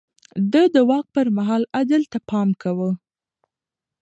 ده د واک پر مهال عدل ته پام کاوه.